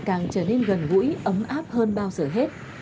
càng trở nên gần gũi ấm áp hơn bao giờ hết